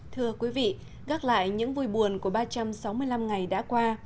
thưa quý vị gác lại những vui buồn của ba trăm sáu mươi năm ngày đã qua